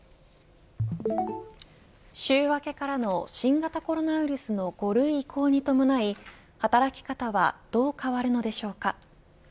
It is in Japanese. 週明けからの新型コロナウイルスの５類移行に伴い、働き方はどう変わるのでしょうか。